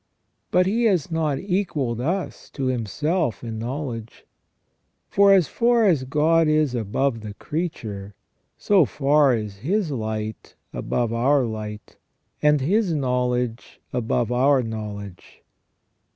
But He has not equalled us to Himself in knowledge. For as far as God is above the creature, so far is His light above our light, and His knowledge above our know ledge.